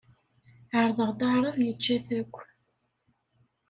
Ɛerḍeɣ-d aɛṛab, yečča-t akk.